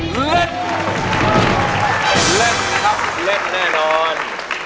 เล่นครับเล่นแน่นอน